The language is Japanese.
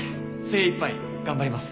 精いっぱい頑張ります